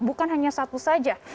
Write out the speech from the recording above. bukan hanya satu saja